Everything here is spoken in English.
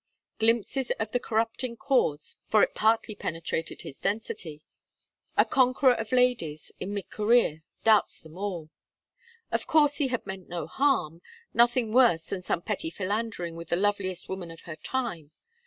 Glimpses of the corrupting cause for it partly penetrated his density: a conqueror of ladies, in mid career, doubts them all. Of course he had meant no harm, nothing worse than some petty philandering with the loveliest woman of her time.